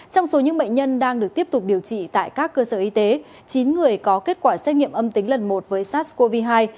trong số những bệnh nhân đang được tiếp tục điều trị tại các cơ sở y tế chín người có kết quả xét nghiệm âm tính lần một với sars cov hai